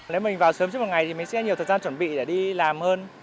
nếu mình vào sớm trước một ngày thì mình sẽ nhiều thời gian chuẩn bị để đi làm hơn